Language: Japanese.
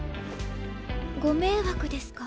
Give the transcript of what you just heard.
ご迷惑ですか？